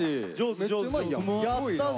やったぜ！